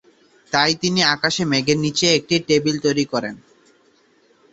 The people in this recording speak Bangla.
তাই তিনি আকাশে মেঘের নিচে একটি 'টেবিল' তৈরি করেন।